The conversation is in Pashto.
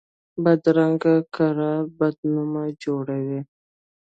بدرنګه کردار بد نوم جوړوي